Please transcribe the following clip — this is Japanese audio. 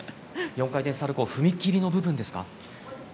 ４回転サルコウ踏み切りの部分ですか？